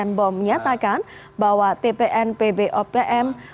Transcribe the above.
tpnpb opm sebi senbom menyatakan bahwa tpnpb opm sebi senbom menyatakan bahwa